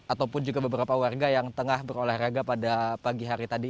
ataupun juga beberapa warga yang tengah berolahraga pada pagi hari tadi